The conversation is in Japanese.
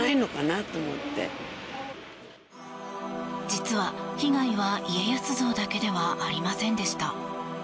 実は被害は家康像だけではありませんでした。